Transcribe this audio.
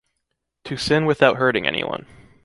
To sin without hurting anyone.